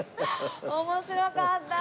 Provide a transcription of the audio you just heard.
面白かった。